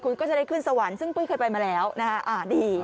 คุณก็จะได้ขึ้นสวรรค์ซึ่งปุ้ยเคยไปมาแล้วนะฮะอ่าดี